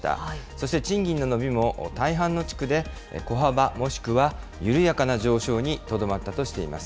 そして、賃金の伸びも大半の地区で、小幅もしくは緩やかな上昇にとどまったとしています。